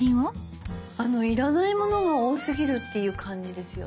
要らないものが多すぎるっていう感じですよね。